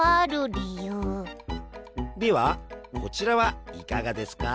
ではこちらはいかがですか？